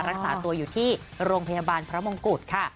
รักษาตัวอยู่ที่โรงพยาบาลพระมงกุฎค่ะ